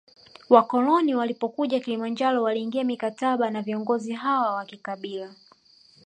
Wakoloni walipokuja Kilimanjaro waliingia mikataba na viongozi hawa wa kikabila